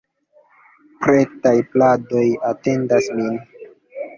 Pretaj pladoj atendas nin!